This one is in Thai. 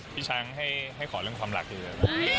พี่ช้างให้ขอเรื่องความรักดีกว่า